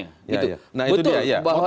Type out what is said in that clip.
nah itu dia ya